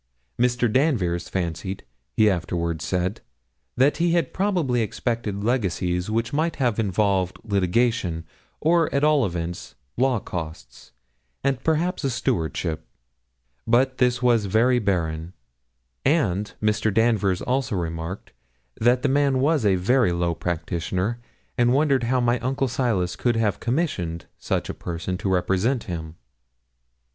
Mr. Danvers fancied, he afterwards said, that he had probably expected legacies which might have involved litigation, or, at all events, law costs, and perhaps a stewardship; but this was very barren; and Mr. Danvers also remarked, that the man was a very low practitioner, and wondered how my uncle Silas could have commissioned such a person to represent him.